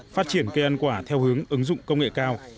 phát triển cây ăn quả theo hướng ứng dụng công nghệ cao